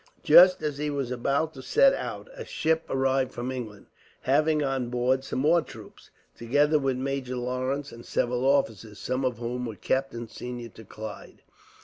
Just as he was about to set out, a ship arrived from England, having on board some more troops, together with Major Lawrence and several officers, some of whom were captains senior to Clive.